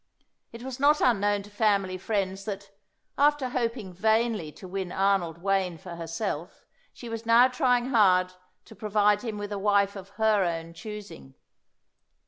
It was not unknown to family friends that, after hoping vainly to win Arnold Wayne for herself, she was now trying hard to provide him with a wife of her own choosing.